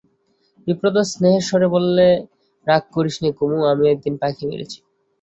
বিপ্রদাস স্নেহের স্বরে বললে, রাগ করিস নে কুমু, আমিও একদিন পাখি মেরেছি।